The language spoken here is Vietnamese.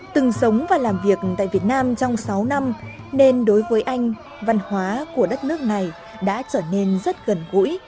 từng sống và làm việc tại việt nam trong sáu năm nên đối với anh văn hóa của đất nước này đã trở nên rất gần gũi